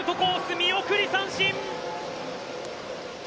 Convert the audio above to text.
見送り三振！